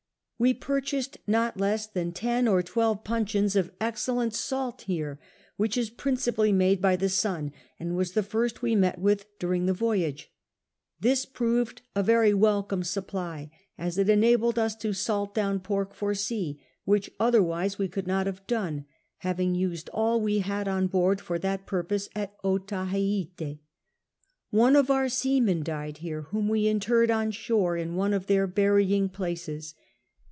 We purchased not less than 10 or 12 puncheons of excellent salt here, which is ])rincipally made by the sun, and was the first we met with (luring the voyage ; this piwed a very welcome supply, as it enabled us to salt down pork for seii, which otherwise Ave could not have done, having used all we had on board for that pi\j']iose at Otaheitc. One of our seamen died here, Avlioin we interred on shore in one of their burying places.